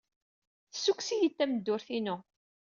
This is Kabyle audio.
Tessukkes-iyi-d tameddurt-inu.